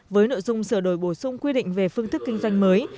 với nội dung sửa đổi bổ sung quy định về phương thức kinh doanh mới